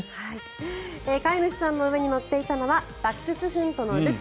飼い主さんの上に乗っていたのはダックスフントのルク